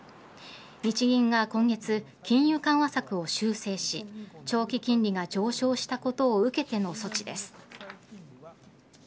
日銀が今月、金融緩和策を修正し長期金利が上昇したことを受けての措置です。